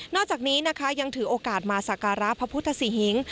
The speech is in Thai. อกจากนี้นะคะยังถือโอกาสมาสักการะพระพุทธศรีหิง